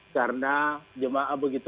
karena jemaah begitu